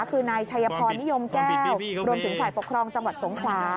คือนายชัยพรนิยมแก้วรวมถึงฝ่ายปกครองจังหวัดสงขลา